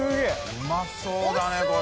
うまそうだねこれ。